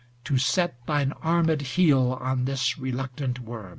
To set thine arm^d heel on this reluctant worm.